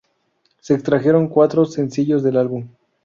Se extrajeron cuatro sencillos del álbum.